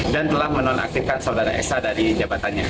dan telah menonaktifkan saudara esra dari jabatannya